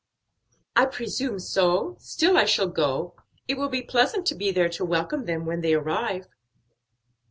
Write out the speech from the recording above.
"I presume so, still I shall go; it will be pleasant to be there to welcome them when they arrive."